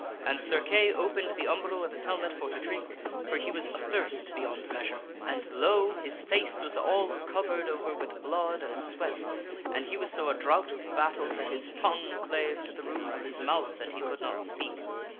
And Sir Kay opened the um bril of his helmet for to drink, for he was athirst beyond measure. And, lo ! his face was all covered over with blood and sweat, and he was so a drought with battle that his tongue clave to the roof of his mouth and he could not speak.